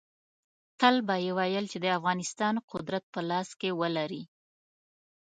تل به یې ویل چې د افغانستان قدرت په لاس کې ولري.